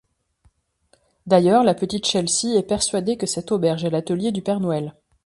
D'ailleurs, la petite Chelsea est persuadée que cette auberge est l'atelier du Père Noël.